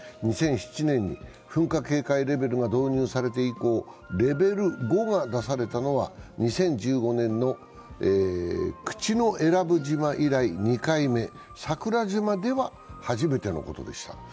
２００７年、噴火警戒レベルが導入されて以降、レベル５が出されたのは２０１５年の口永良部島以来２回目、桜島では初めてのことです。